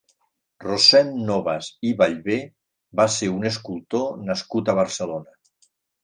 Rossend Nobas i Ballbé va ser un escultor nascut a Barcelona.